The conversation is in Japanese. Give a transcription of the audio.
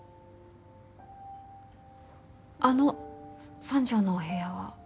あの３帖のお部屋は。